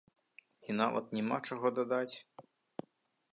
І нават няма чаго дадаць.